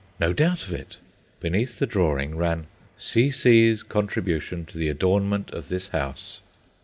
No doubt of it! Beneath the drawing ran: "C.C.'s contribution to the adornment of this house."